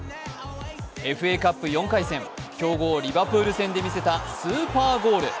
ＦＡカップ４回戦、強豪リバプール戦で見せたスーパーゴール。